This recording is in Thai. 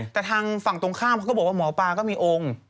แต่ทางฝั่งตรงข้ามเขาก็บอกว่าหมอปลาก็มีองค์